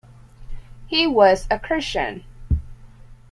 He was a Christian.